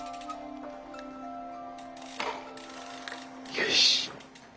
よし。